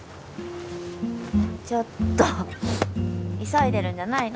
ちょっと急いでるんじゃないの？